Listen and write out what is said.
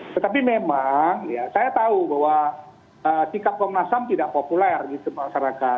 tetapi memang ya saya tahu bahwa sikap komnas ham tidak populer gitu masyarakat